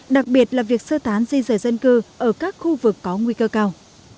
đặc biệt là việc sơ tán di rời dân cư ở các khu vực có nguy cơ cao